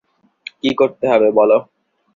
কি করতে হবে বলো?